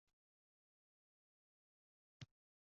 Odamlar turli biznes loyihalarini ishga solishdi